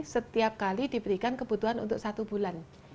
setiap kali diberikan kebutuhan untuk satu bulan